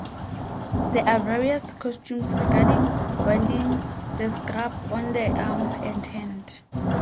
There are various customs regarding winding the strap on the arm and hand.